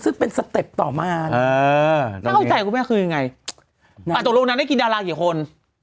ซึ่งเป็นสเต็ปต่อมาน่าเข้าใจคุณแม่คือยังไงตกลงนั้นได้กินดารากี่คน